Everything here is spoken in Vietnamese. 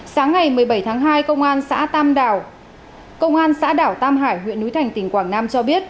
sáng ngày một mươi bảy tháng hai công an xã đảo tam hải huyện núi thành tỉnh quảng nam cho biết